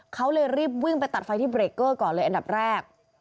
เขาเลยรีบวิ่งไปตัดไฟที่เบรกเกอร์ก่อนเลยอันดับแรก